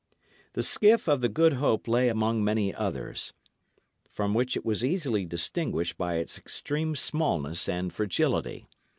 The skiff of the Good Hope lay among many others, from which it was easily distinguished by its extreme smallness and fragility.